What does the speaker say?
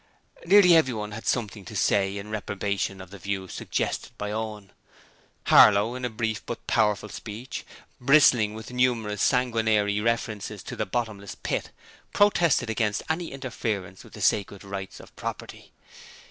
Nearly everyone had something to say in reprobation of the views suggested by Owen. Harlow, in a brief but powerful speech, bristling with numerous sanguinary references to the bottomless pit, protested against any interference with the sacred rights of property.